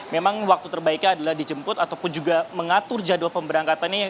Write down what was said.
memang waktu terbaiknya adalah dijemput ataupun juga mengatur jadwal pemberangkatannya